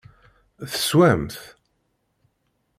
Teswam-t?